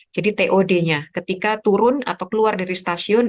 jadi tod nya ketika turun atau keluar dari stasiun